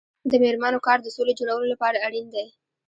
د میرمنو کار د سولې جوړولو لپاره اړین دی.